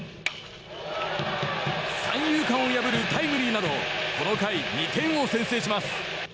三遊間を破るタイムリーなどこの回、２点を先制します。